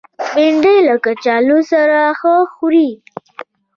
بېنډۍ له کچالو سره ښه خوري